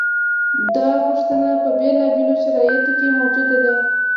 دا غوښتنه په بېلابېلو شرایطو کې موجوده ده.